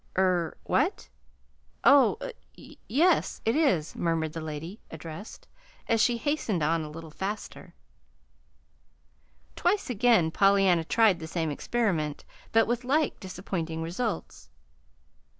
"Er what? Oh, y yes, it is," murmured the lady addressed, as she hastened on a little faster. Twice again Pollyanna tried the same experiment, but with like disappointing results.